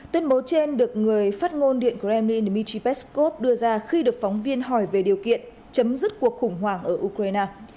tuyên bố trên được người phát ngôn điện kremlin dmitry peskov đưa ra khi được phóng viên hỏi về điều kiện chấm dứt cuộc khủng hoảng ở ukraine